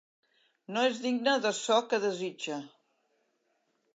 No és digne de ço que desitja.